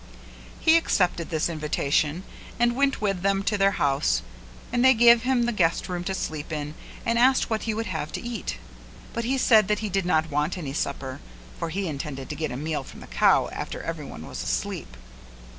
He accepted this invitation and went with them to their house and they gave him the guest room to sleep in and asked what he would have to eat, but he said that he did not want any supper, for he intended to get a meal from the cow after every one was asleep.